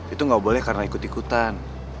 itu nggak boleh karena ikut ikutan